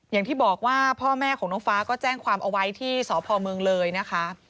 อย่างที่บอกว่าพ่อแม่ของน้องฟ้าก็แจ้งความเอาไว้ที่สพเมืองเลยนะคะ